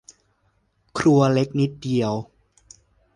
ครัวเล็กนิดเดียว